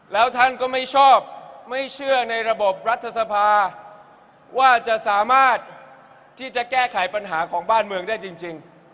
แล้วท่านก็ไม่ชอบไม่เชื่อในระบบรัฐสภาว่าจะสามารถที่จะแก้ไขปัญหาของบ้านเมืองได้จริง